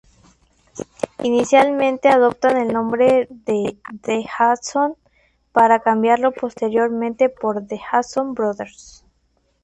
Inicialmente adoptan el nombre de "The Hanson" para cambiarlo posteriormente por "The Hanson Brothers".